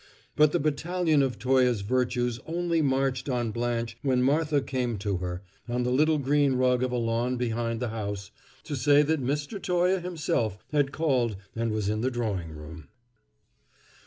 But the battalion of Toye's virtues only marched on Blanche when Martha came to her, on the little green rug of a lawn behind the house, to say that Mr. Toye himself had called and was in the drawing room.